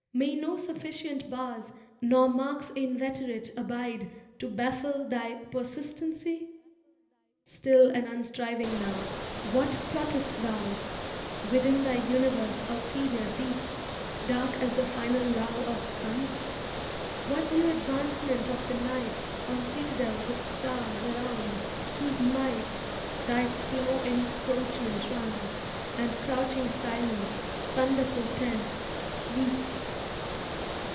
May no sufficient bars. Nor marks inveterate abide To baffle thy persistency? Still and unstriving now. What plottest thou, V I '^Ai;^s OOoO "^^ Vj V OooO Within thy univcrscniltcrior deeps, Dark as the final lull of suns? What new advancement of the night On citadels of stars around whose might Thy slow encroachment runs, And crouching Silence, thunder^potent, sleeps?